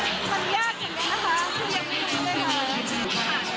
ก็คือมันยากอย่างนี้นะคะ